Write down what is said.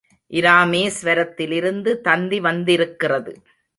இராமேஸ்வரத்திலிருந்து தந்தி வந்திருக்கிறது.